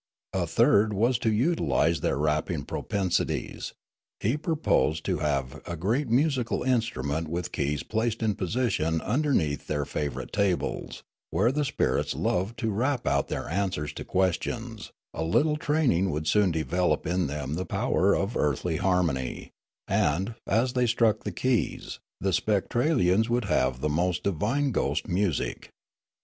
A third was to utilise their rapping propensities; he proposed to have a great musical instrument with keys placed in position underneath their favourite tables, where the spirits loved to rap out their answers to questions ; a little training would soon develop in them the power of earthl}^ harmonj^ and, as they struck the keys, the vSpectralians would have the most divine ghost music.